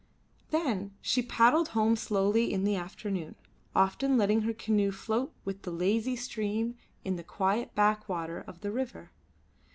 Then she paddled home slowly in the afternoon, often letting her canoe float with the lazy stream in the quiet backwater of the river.